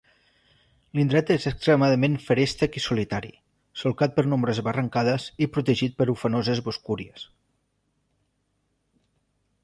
L'indret és extremadament feréstec i solitari, solcat per nombroses barrancades i protegit per ufanoses boscúries.